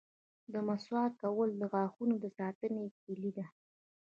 • د مسواک کول د غاښونو د ساتنې کلي ده.